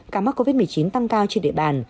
ca mắc covid một mươi chín tăng cao trên địa bàn